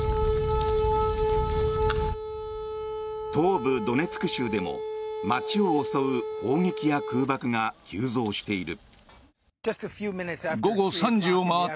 東部ドネツク州でも街を襲う砲撃や空爆が急増している。